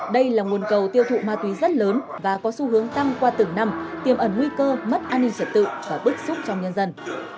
đây là nguồn cầu tiêu thụ ma túy rất lớn và có xu hướng tăng qua từng năm tiềm ẩn nguy cơ mất an ninh trật tự và bức xúc trong nhân dân